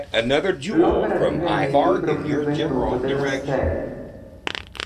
L'opera divenne il libro più venduto della Stein.